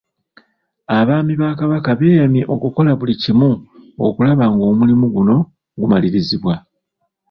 Abaami ba Kabaka beeyama okukola buli kimu okulaba ng'omulimu guno gumalirizibwa.